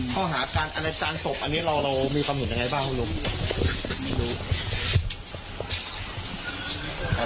พอหาการแอนระจานด์สกเรามีความเห็นยังไงบ้างครับคุณลุง